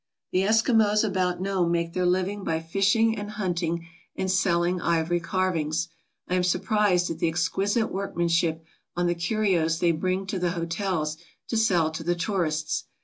The Eskimos about Nome make their living by fishing and hunting and selling ivory carvings. I am surprised at the exquisite workmanship on the curios they bring to the hotels to sell to the tourists.